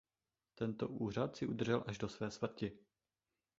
Tento úřad si udržel až do své smrti.